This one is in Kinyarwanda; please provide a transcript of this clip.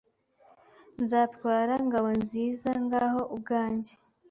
Nzatwara Ngabonzizangaho ubwanjye.